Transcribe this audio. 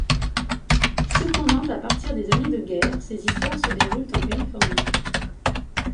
Cependant à partir des années de guerre, ses histoires se déroulent en Californie.